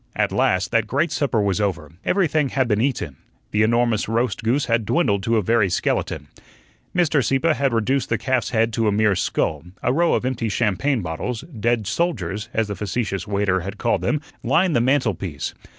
At last that great supper was over, everything had been eaten; the enormous roast goose had dwindled to a very skeleton. Mr. Sieppe had reduced the calf's head to a mere skull; a row of empty champagne bottles "dead soldiers," as the facetious waiter had called them lined the mantelpiece.